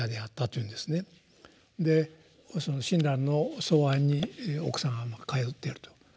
でその親鸞の草庵に奥さんは通ってると。